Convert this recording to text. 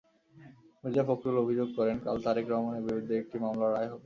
মির্জা ফখরুল অভিযোগ করেন, কাল তারেক রহমানের বিরুদ্ধে একটি মামলার রায় হবে।